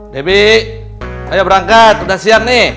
debbie ayo berangkat udah siap nih